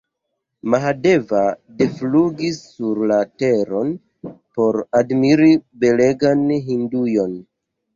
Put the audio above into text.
Mahadeva deflugis sur la teron, por admiri belegan Hindujon.